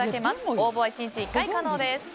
応募は１日１回可能です。